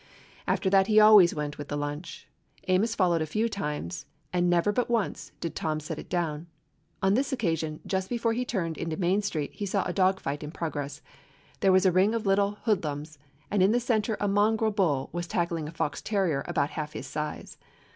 After that he always went with the lunch. Amos followed a few times, and never but once did Tom set it down. On this occasion, just before he turned into Main Street he saw a dog fight in progress. There was a ring of little hoodlums, and in the center a mongrel bull was tackling a fox terrier about half his size.